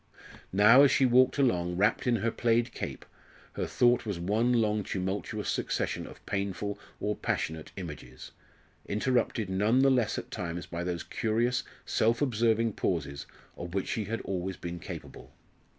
Now, as she walked along, wrapped in her plaid cape, her thought was one long tumultuous succession of painful or passionate images, interrupted none the less at times by those curious self observing pauses of which she had always been capable.